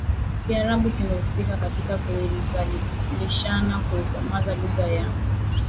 Kiarabu kimehusika katika kuizalishana kuikomaza lugha ya